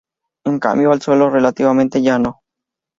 En cambio, el suelo es relativamente llano.